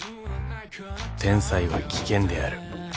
［天才は危険である］